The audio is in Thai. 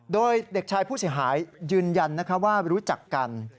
โดยเด็กชายผู้เสียหายยืนยันว่ารู้จักกัน